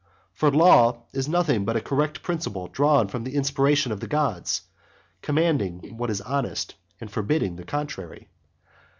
For law is nothing but a correct principle drawn from the inspiration of the gods, commanding what is honest, and forbidding the contrary.